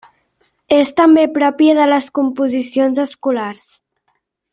És també pròpia de les composicions escolars.